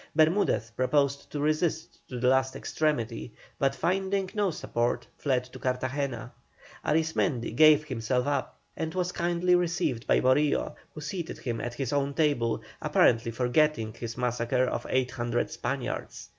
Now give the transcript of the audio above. Bermudez proposed to resist to the last extremity, but finding no support fled to Cartagena. Arismendi gave himself up, and was kindly received by Morillo, who seated him at his own table, apparently forgetting his massacre of eight hundred Spaniards.